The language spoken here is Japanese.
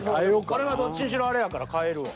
これはどっちにしろあれやから変えるわ。